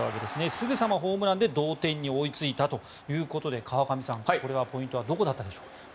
すぐさまホームランで同点に追いついたということで川上さん、このポイントはどこだったでしょうか。